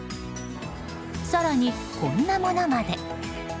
更にこんなものまで。